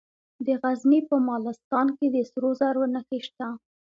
د غزني په مالستان کې د سرو زرو نښې شته.